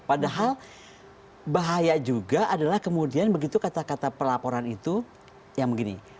padahal bahaya juga adalah kemudian begitu kata kata pelaporan itu yang begini